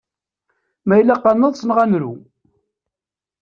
Ma ilaq ad nḍes neɣ ad nru?